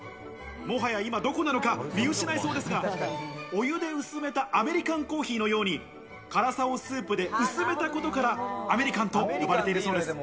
もはや今どこなのか見失いそうですが、お湯で薄めたアメリカンコーヒーのように辛さをスープで薄めたことから、アメリカンと呼ばれているそうです。